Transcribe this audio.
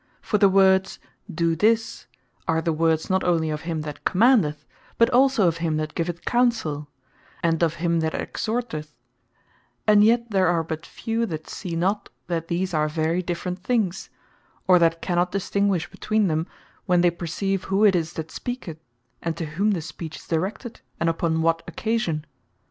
For the words "Doe this," are the words not onely of him that Commandeth; but also of him that giveth Counsell; and of him that Exhorteth; and yet there are but few, that see not, that these are very different things; or that cannot distinguish between them, when they perceive who it is that speaketh, and to whom the Speech is directed, and upon what occasion.